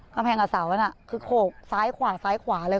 กำแพงกับเสานั่นคือโคกซ้ายขวาเลย